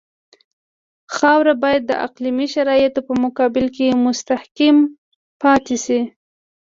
خاوره باید د اقلیمي شرایطو په مقابل کې مستحکم پاتې شي